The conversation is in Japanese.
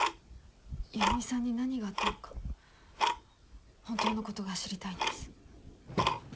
優美さんに何があったのか本当の事が知りたいんです。